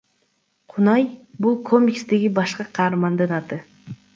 Кунай — бул комикстеги башкы каармандын аты.